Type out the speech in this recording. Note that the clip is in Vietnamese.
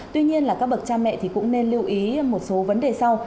tuy nhiên là các bậc cha mẹ thì cũng nên lưu ý một số vấn đề sau